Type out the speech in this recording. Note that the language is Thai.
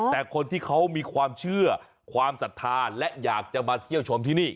แต่คนที่เขามีความเชื่อความศรัทธาและอยากจะมาเที่ยวชมที่นี่